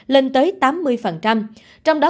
lên tới tám mươi trong đó